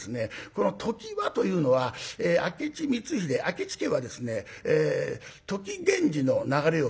この「ときは」というのは明智光秀明智家はですね土岐源氏の流れをくむという。